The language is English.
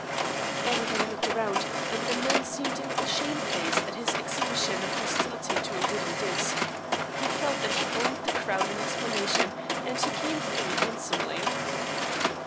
Everybody looked around, and the man seemed a little shamefaced at his exhibition of hostility to a wooden disk. He felt that he owed the crowd an explanation and he came through handsomely.